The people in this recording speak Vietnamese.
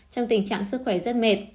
trong tình trạng sức khỏe rất mệt